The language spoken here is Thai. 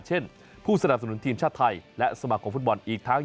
ผู้สนับสนุนทีมชาติไทยและสมาคมฟุตบอลอีกทั้ง